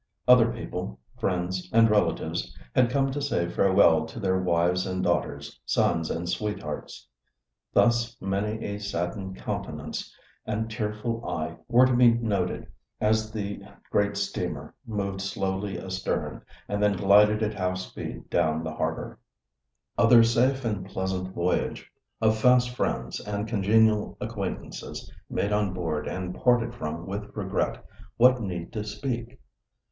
Other people—friends and relatives—had come to say farewell to their wives and daughters, sons and sweethearts. Thus many a saddened countenance and tearful eye were to be noted as the great steamer moved slowly astern, and then glided at half speed down the harbour. Of their safe and pleasant voyage—of fast friends, and congenial acquaintances made on board and parted from with regret—what need to speak?